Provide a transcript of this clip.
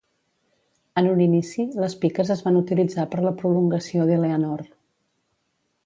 En un inici, les piques es van utilitzar per la prolongació d"Eleanor.